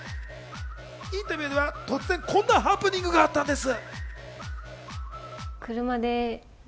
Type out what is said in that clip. インタビューでは突然、こんなハプニングがあったんです。